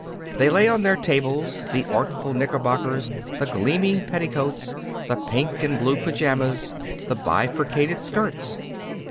They lay on their tables, the artful knickerbockers, the gleaming petticoats, the pink and blue pajamas, the bifurcated skirts.